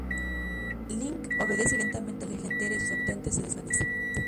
Link obedece y lentamente la isla entera y sus habitantes se desvanecen.